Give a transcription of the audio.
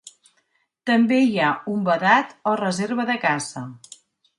També hi ha un vedat o reserva de caça.